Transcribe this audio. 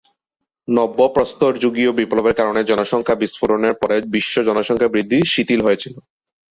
নব্যপ্রস্তরযুগীয় বিপ্লবের কারণে জনসংখ্যা বিস্ফোরণের পরে বিশ্ব জনসংখ্যা বৃদ্ধি শিথিল হয়েছিলো।